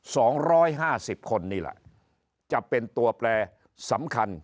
สองร้อยห้าสิบคนนี่แหละจะเป็นตัวแปลสำคัญ